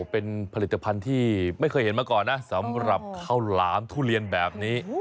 เป็นผลิตภัณฑ์ที่ไม่เคยเห็นมาก่อนนะสำหรับข้าวหลามทุเรียนแบบนี้